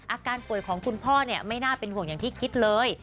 อาการป่วยของคุณพ่อไม่น่าเป็นห่วงอย่างที่คิดเลย